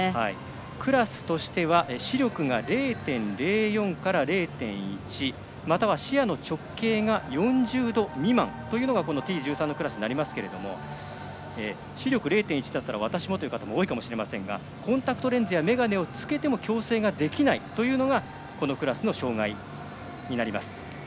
クラスとしては視力が０．０４から０．１または視野の直径が４０度未満がＴ１３のクラスになりますが視力０．１だったら私もという方多いと思いますがコンタクトレンズや眼鏡をつけても矯正ができないというのがこのクラスの障がいになります。